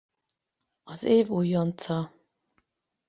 Az év újonca.